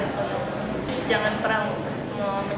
jangan pernah mau menyakiti orang lain sebelum pesang pesang